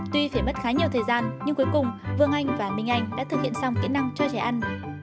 tuy phải mất khá nhiều thời gian nhưng cuối cùng vương anh và minh anh đã thực hiện xong kỹ năng cho trẻ ăn